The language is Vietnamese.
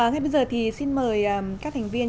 ngay bây giờ thì xin mời các thành viên